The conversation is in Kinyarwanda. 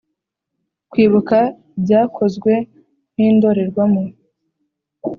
kwibuka byakozwe nindorerwamo,